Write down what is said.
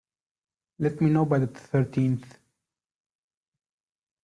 Let me know by the thirteenth.